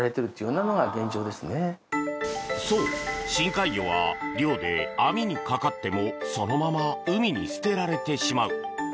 そう、深海魚は漁で網にかかってもそのまま海に捨てられてしまう。